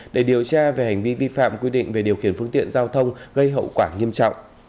để điều tra về hành vi vi phạm quy định về điều khiển phương tiện giao thông gây hậu quả nghiêm trọng